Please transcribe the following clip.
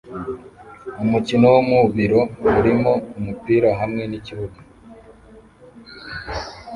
Umukino wo mu biro urimo imipira hamwe n'ikibuga